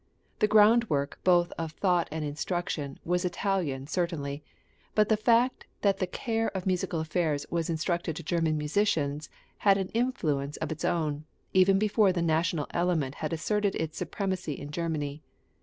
The groundwork, both of thought and instruction, was Italian certainly; but the fact that the care of musical affairs was intrusted to German musicians, had an influence of its own, even before the national element had asserted its supremacy in Germany.